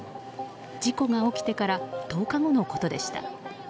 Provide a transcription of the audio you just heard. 事故が起きてから１０日後のことでした。